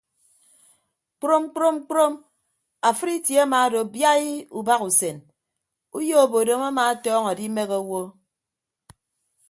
Kprom kprom kprom afịd itie amaado biaii ubahasen uyo obodom ama atọñọ adimehe owo.